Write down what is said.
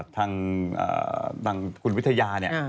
ทางคุณวิทยาเนี่ย